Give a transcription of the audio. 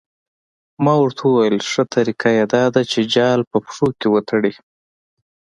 ما ورته وویل ښه طریقه یې دا ده چې جال په پښو کې وتړي.